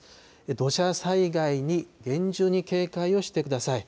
土砂災害に厳重に警戒をしてください。